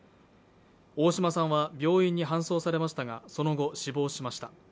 大嶋さんは病院に搬送されましたが、その後死亡しました。